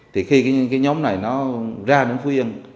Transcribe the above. thì khi cái nhóm này nó ra đến phú yên